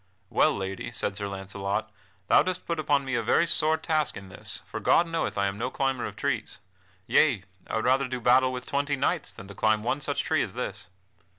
"Well, Lady," said Sir Launcelot, "thou dost put upon me a very sore task in this, for God knoweth I am no climber of trees. Yea, I would rather do battle with twenty knights than to climb one such tree as this.